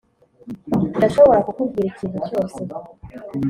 ndashobora kukubwira ikintu cyose.